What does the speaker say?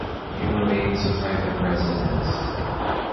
It remains a private residence.